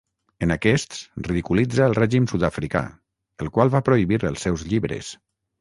En aquests ridiculitza el règim sud-africà, el qual va prohibir els seus llibres.